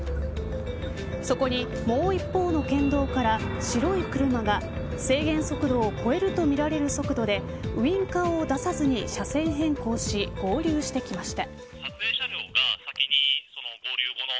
そこに、もう一方の県道から白い車が制限速度を超えるとみられる速度でウインカーを出さずに車線変更し合流してきました。